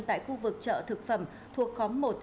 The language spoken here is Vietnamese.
tại khu vực chợ thực phẩm thuộc khóm một